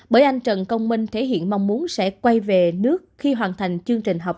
bởi anh trần công minh thể hiện mong muốn sẽ quay về nước khi hoàn thành chương trình học